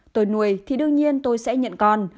tôi nuôi thì đương nhiên tôi sẽ nhận con